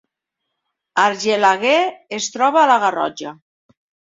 Argelaguer es troba a la Garrotxa